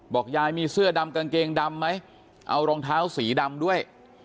ยายมีเสื้อดำกางเกงดำไหมเอารองเท้าสีดำด้วย